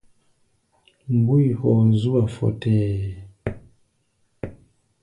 Mbúi hɔɔ zú-a fɔtɛɛ.